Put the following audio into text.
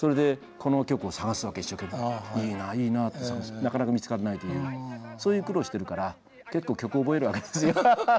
なかなか見つからないというそういう苦労をしてるから結構曲を覚えるわけですよ。